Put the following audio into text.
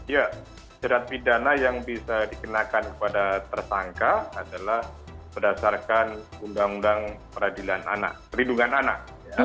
ya jerat pidana yang bisa dikenakan kepada tersangka adalah berdasarkan undang undang peradilan anak perlindungan anak